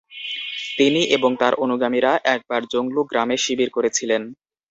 তিনি এবং তাঁর অনুগামীরা একবার জংলু গ্রামে শিবির করেছিলেন।